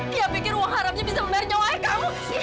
dia pikir uang harapnya bisa membayar nyawa ayah kamu